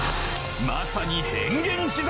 まさに変幻自在！